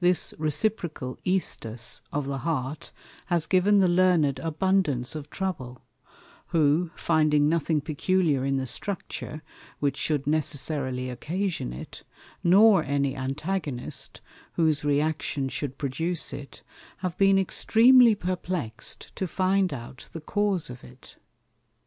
This reciprocal Æstus of the Heart has given the Learned abundance of trouble; who, finding nothing peculiar in the Structure, which shou'd necessarily occasion it, nor any Antagonist, whose re action should produce it, have been extreamly perplex'd to find out the cause of it.